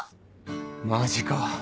マジか！